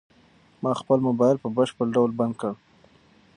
ما خپل موبايل په بشپړ ډول بند کړ.